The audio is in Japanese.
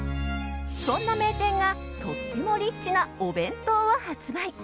そんな名店がとってもリッチなお弁当を発売。